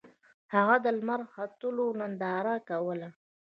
هغه د لمر ختلو ننداره کوله.